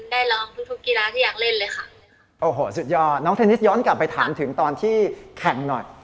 ได้ร้องทุกทุกกีฬาที่อยากเล่นเลยค่ะโอ้โหสุดยอดน้องเทนนิสย้อนกลับไปถามถึงตอนที่แข่งหน่อย